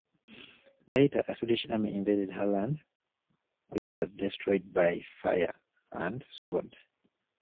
Later, a Swedish army invaded Halland, which was destroyed by fire and sword.